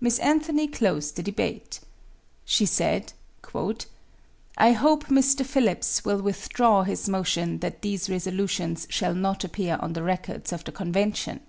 Miss Anthony closed the debate. She said: "I hope Mr. Phillips will withdraw his motion that these resolutions shall not appear on the records of the convention.